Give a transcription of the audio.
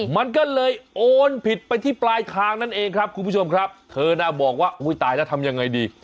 มันก็เลยโอนผิดไปที่ปลายทางนั่นเองครับคุณผู้ชมครับเธอน่ะบอกว่าอุ้ยตายแล้วทำยังไงดี